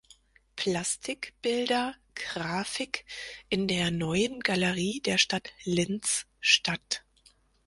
Plastik-Bilder Grafik“ in der „Neuen Galerie der Stadt Linz“ statt.